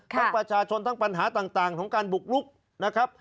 ค่ะทั้งประชาชนทั้งปัญหาต่างต่างของการบุกรุกนะครับ